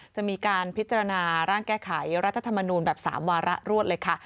จะมีการพิจารณาร่างแก้ไขรัฐธรรมนูลแบบ๓วาระรวดเลยค่ะ